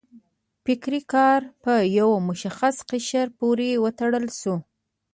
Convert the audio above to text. فکري کار په یو مشخص قشر پورې وتړل شو.